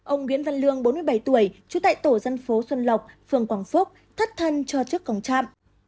ông nguyễn văn lương bốn mươi bảy tuổi trú tại tổ dân phố xuân lộc phường quảng phúc thất thân cho chức còng trạm